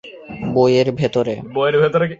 বই এর ভেতরে।